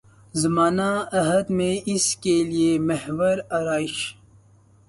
زمانہ عہد میں اس کے ہے محو آرایش